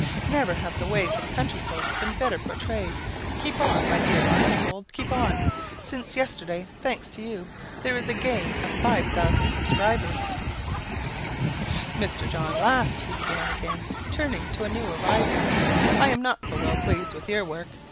Never have the ways of country folk been better portrayed. Keep on, my dear Archibald, keep on! Since yesterday, thanks to you, there is a gain of 5000 subscribers." "Mr. John Last," he began again, turning to a new arrival, "I am not so well pleased with your work.